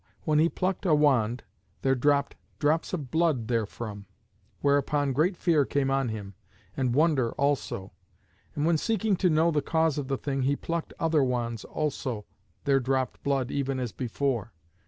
when he plucked a wand there dropped drops of blood therefrom. Whereupon great fear came on him, and wonder also. And when seeking to know the cause of the thing he plucked other wands also, there dropped blood even as before.